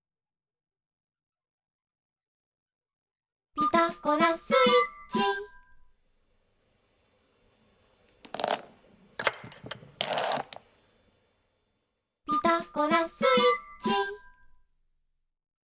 「ピタゴラスイッチ」「ピタゴラスイッチ」